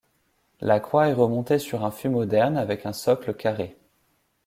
La croix est remontée sur un fût moderne, avec un socle carré.